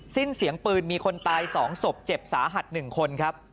สิ้นเสียงปืนมีคนตาย๒ศพเจ็บสาหัส๑คนครับ